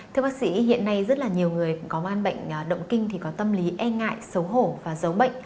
thưa bác sĩ hiện nay rất là nhiều người có ban bệnh động kinh thì có tâm lý e ngại xấu hổ và giấu bệnh